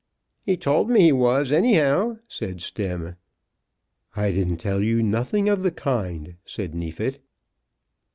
"He told me he was, anyhow," said Stemm, "I didn't tell you nothing of the kind," said Neefit.